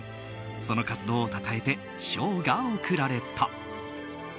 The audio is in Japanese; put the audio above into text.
その活動をたたえて賞が贈られた。